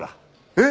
えっ！